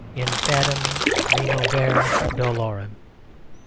infandum renovare dolorem.